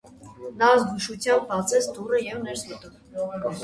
Նա զգուշությամբ բացեց դուռը և ներս մտավ: